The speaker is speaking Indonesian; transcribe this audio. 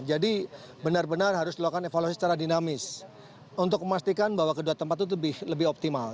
jadi benar benar harus dilakukan evaluasi secara dinamis untuk memastikan bahwa kedua tempat itu lebih optimal